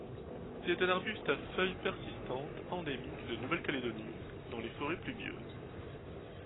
C'est un arbuste à feuilles persistantes endémique de Nouvelle-Calédonie, dans les forêts pluvieuses.